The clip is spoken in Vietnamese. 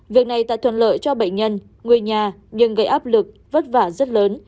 việc này tạo thuận lợi cho bệnh nhân người nhà nhưng gây áp lực vất vả rất lớn